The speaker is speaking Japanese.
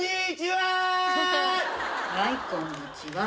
はいこんにちは。